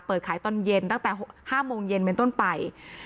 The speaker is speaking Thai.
เปิดขายตอนเย็นตั้งแต่๕โมงเย็นเป็นต้นไป